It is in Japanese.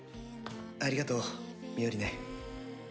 ありがとうミオリネ。